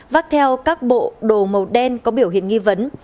vác theo các bộ đồ màu đen có biểu hiện nghi vấn